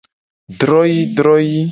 Droyii droyii.